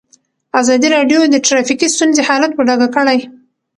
ازادي راډیو د ټرافیکي ستونزې حالت په ډاګه کړی.